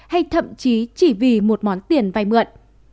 hay thậm chí chỉ vì một món tiền vai mượn